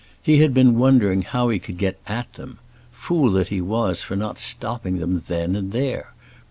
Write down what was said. He had been wondering how he could get at them; fool that he was for not stopping them then and there!